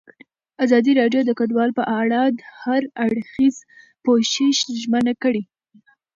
ازادي راډیو د کډوال په اړه د هر اړخیز پوښښ ژمنه کړې.